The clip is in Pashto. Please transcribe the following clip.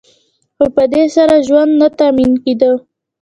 خو په دې سره ژوند نه تأمین کیده.